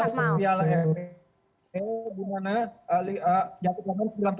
semifinal pemiala eropa